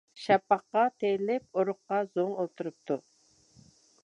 شاپاققا تېيىلىپ، ئۇرۇققا زوڭ ئولتۇرۇپتۇ.